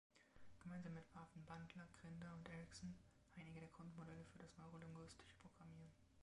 Gemeinsam entwarfen Bandler, Grinder, und Erickson einige der Grundmodelle für das Neuro-Linguistische Programmieren.